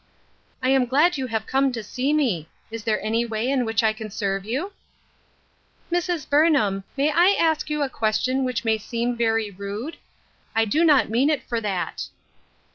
"I am glad you have come to see me; is there any way in which I can serve you?" " Mrs. Burnham, may I ask you a question which may seem very rude ? I do not mean it for that."